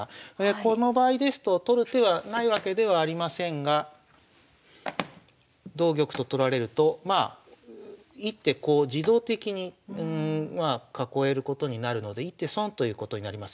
この場合ですと取る手はないわけではありませんが同玉と取られると１手こう自動的に囲えることになるので１手損ということになります。